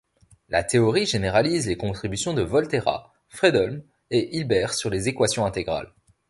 La théorie généralise les contributions de Volterra, Fredholm et Hilbert sur les équations intégrales.